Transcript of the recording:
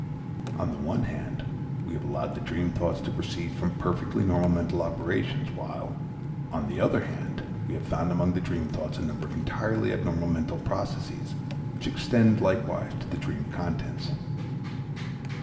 On the one hand, we have allowed the dream thoughts to proceed from perfectly normal mental operations, while, on the other hand, we have found among the dream thoughts a number of entirely abnormal mental processes which extend likewise to the dream contents.